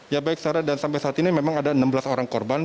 ya baik sarah dan sampai saat ini memang ada enam belas orang korban